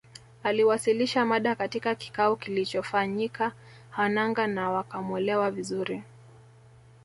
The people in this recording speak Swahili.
Aliwasilisha mada katika kikao kilichofanyika Hanangâ na wakamwelewa vizuri